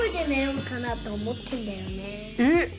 えっ！